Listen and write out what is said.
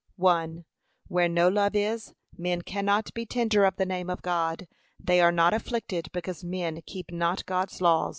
(l.) Where no love is, men cannot be tender of the name of God, they are not afflicted because men keep not God's law.